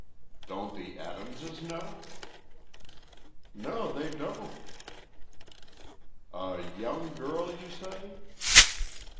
"Don't the Adamses know?" "No, they don't." "A young girl, you say?"